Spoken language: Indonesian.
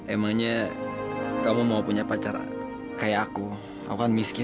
emangnya kamu mau punya pacar kayak aku aku kan miskin